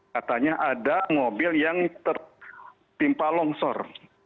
katanya ada mobil yang tertimpa longsor